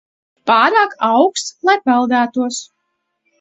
Pārāk auksts, lai peldētos.